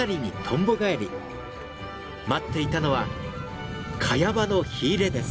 待っていたのはカヤ場の火入れです。